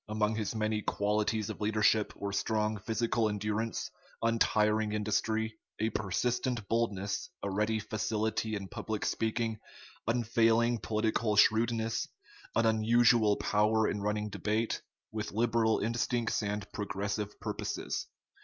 Among his many qualities of leadership were strong physical endurance, untiring industry, a persistent boldness, a ready facility in public speaking, unfailing political shrewdness, an unusual power in running debate, with liberal instincts and progressive purposes.